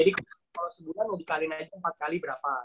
jadi kalau sebulan mau dikaliin aja empat kali berapa